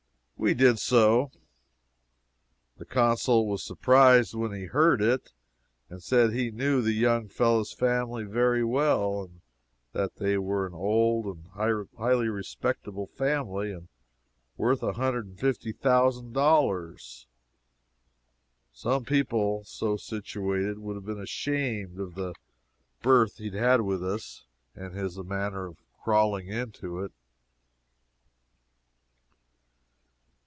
We did so. The Consul was surprised when he heard it, and said he knew the young fellow's family very well, and that they were an old and highly respectable family and worth a hundred and fifty thousand dollars! Some people, so situated, would have been ashamed of the berth he had with us and his manner of crawling into it.